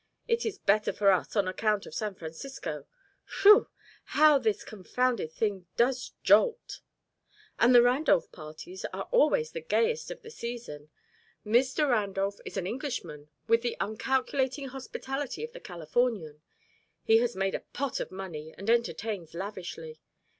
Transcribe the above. It is better for us on account of San Francisco Whew! how this confounded thing does jolt! and the Randolph parties are always the gayest of the season. Mr. Randolph is an Englishman with the uncalculating hospitality of the Californian. He has made a pot of money and entertains lavishly.